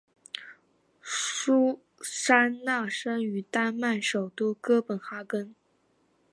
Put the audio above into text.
苏珊娜生于丹麦首都哥本哈根。